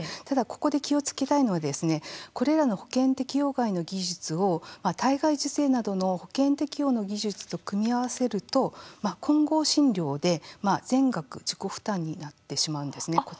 ただ、ここで気をつけたいのはこれらの保険適用外の技術を体外受精などの保険適用の技術と組み合わせると混合診療で、全額自己負担になってしまうんですね。